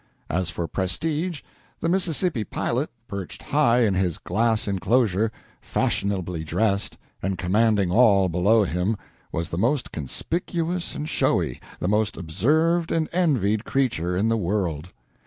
As for prestige, the Mississippi pilot, perched high in his glass inclosure, fashionably dressed, and commanding all below him, was the most conspicuous and showy, the most observed and envied creature in the world.